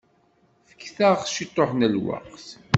Fket-aɣ ciṭuḥ n lweqt.